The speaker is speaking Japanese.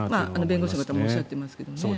弁護士の方もおっしゃってますけどね。